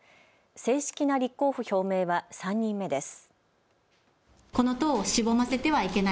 正式な立候補表明は３人目です。